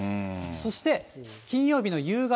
そして金曜日の夕方。